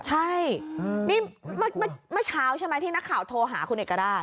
ใช่นี่เมื่อเช้าใช่ไหมที่นักข่าวโทรหาคุณเอกราช